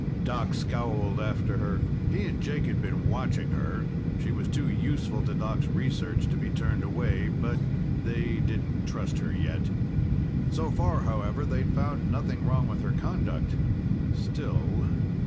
Doc scowled after her. He and Jake had been watching her. She was too useful to Doc's research to be turned away, but they didn't trust her yet. So far, however, they had found nothing wrong with her conduct. Still....